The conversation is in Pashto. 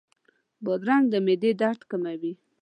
بادرنګ د معدې درد کموي.